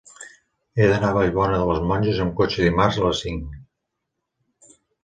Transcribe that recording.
He d'anar a Vallbona de les Monges amb cotxe dimarts a les cinc.